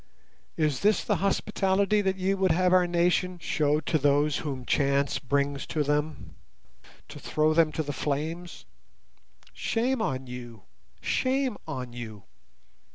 Is this the hospitality that ye would have our nation show to those whom chance brings to them, to throw them to the flames? Shame on you! Shame on you!